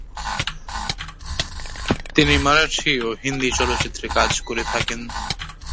তিনি মারাঠি ও হিন্দি চলচ্চিত্রে কাজ করে থাকেন।